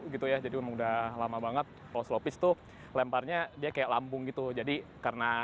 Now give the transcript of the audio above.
dua puluh satu gitu ya jadi mudah lama banget lops lopis tuh lemparnya dia kayak lambung gitu jadi karena